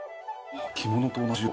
着物と同じ色。